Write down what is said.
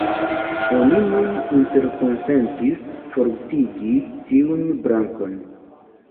Oni nun interkonsentis fortigi tiun brakon.